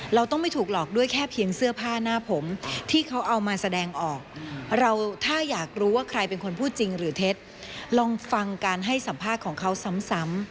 เราต้องไม่ถูกหลอกด้วยแค่เพียงเสื้อผ้าหน้าผมที่เขาเอามาแสดงออกเราถ้าอยากรู้ว่าใครเป็นคนพูดจริงหรือเท็จลองฟังการให้สัมภาษณ์ของเขาซ้ำ